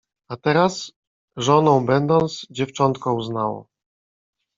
A teraz, żoną będąc, dziewczątko uznało